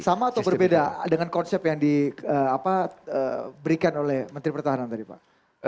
sama atau berbeda dengan konsep yang diberikan oleh menteri pertahanan tadi pak